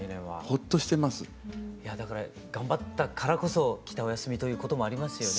いやだから頑張ったからこそきたお休みということもありますよね。